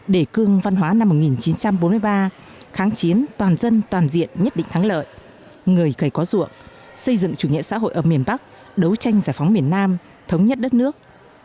đề cương văn hóa năm một nghìn chín trăm bốn mươi ba kháng chiến toàn dân toàn diện nhất định thắng lợi người cầy có ruộng xây dựng chủ nghĩa xã hội ở miền bắc đấu tranh giải phóng miền nam thống nhất đất nước